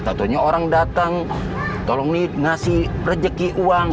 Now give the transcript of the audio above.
tentunya orang datang tolong nih ngasih rezeki uang